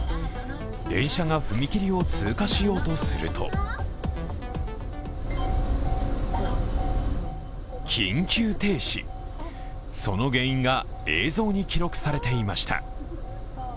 電車が踏切を通過しようとすると緊急停止、その原因が映像に記録されていました。